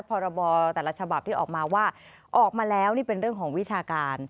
พรบแต่ละฉบับที่ออกมาว่าออกมาแล้วนี่เป็นเรื่องของวิชาการ